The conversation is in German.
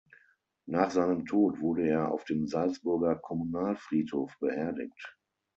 Nach seinem Tod wurde er auf dem Salzburger Kommunalfriedhof beerdigt.